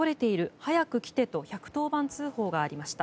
早く来てと１１０番通報がありました。